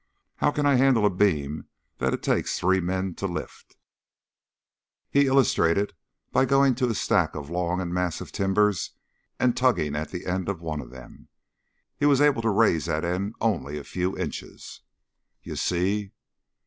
How can I handle a beam that it takes three men to lift?" He illustrated by going to a stack of long and massive timbers and tugging at the end of one of them. He was able to raise that end only a few inches. "You see?"